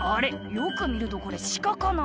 よく見るとこれ鹿かな？」